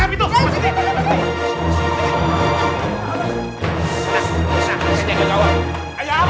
pak dek pak dek pak dek